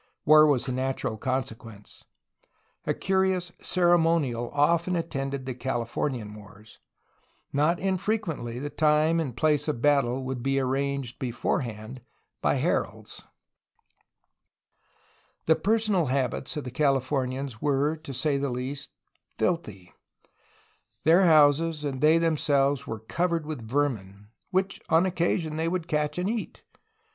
War was the natural consequence. A curious ceremonial often attended the Californian wars. Not infrequently the time and place of battle would be arranged beforehand by heralds. The personal habits of the Californians were, to say the least, filthy. Their houses and they themselves were cov ered with vermin — ^which on occasion they would catch and eat